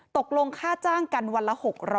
ตกลงค่าจ้างกันวันละ๖๐๐